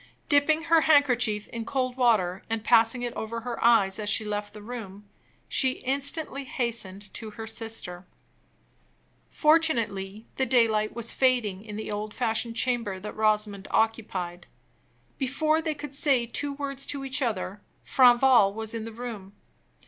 Dipping her handkerchief in cold water, and passing it over her eyes as she left the room, she instantly hastened to her sister. Fortunately the daylight was fading in the old fashioned chamber that Rosamond occupied. Before they could say two words to each other, Franval was in the room.